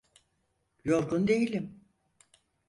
Yorgun değilim.